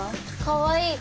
かわいい。